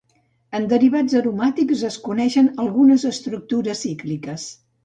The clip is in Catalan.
En derivats aromàtics es coneixen algunes estructures cícliques.